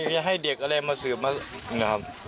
เขาก็อย่างนี้ให้เด็กอะไรมาเสือบนะครับ